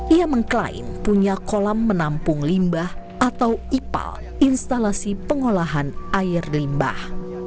ia mengklaim punya kolam menampung limbah atau ipal instalasi pengolahan air limbah